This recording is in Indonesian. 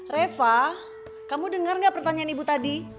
reva kamu dengar nggak pertanyaan ibu tadi